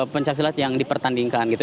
pencak silat yang dipertandingkan gitu